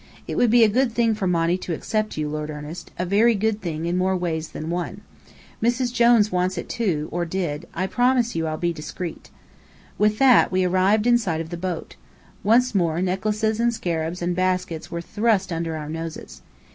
It would be a good thing for Monny to accept you, Lord Ernest, a very good thing in more ways than one. Mrs. Jones wants it too, or did. I promise you, I'll be discreet." With that, we arrived in sight of the boat. Once more, necklaces and scarabs and baskets were thrust under our noses.